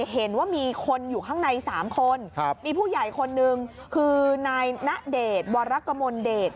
เห็นว่ามีคนอยู่ข้างใน๓คนมีผู้ใหญ่คนนึงคือนายณเดชน์วรกมลเดช